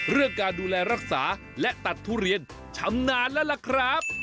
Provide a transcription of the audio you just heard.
เรื่องการดูแลรักษาและตัดทุเรียนชำนาญแล้วล่ะครับ